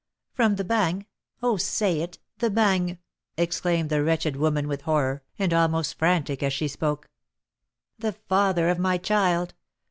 "From the Bagne? Oh, say it! the Bagne!" exclaimed the wretched woman with horror, and almost frantic as she spoke. "The father of my child!